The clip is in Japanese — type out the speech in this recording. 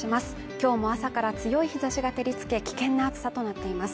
今日も朝から強い日差しが照りつけ危険な暑さとなっています